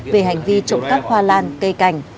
về hành vi trộm cắp hoa lan cây cảnh